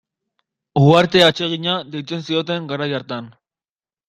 Uharte atsegina deitzen zioten garai hartan.